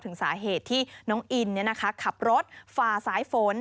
ถึงสาเหตุที่น้องอินขับรถฝ่าสายฝน